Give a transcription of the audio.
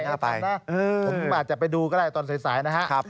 คุณก็อาจจะไปดูก็ได้ตอนสายนะฮะ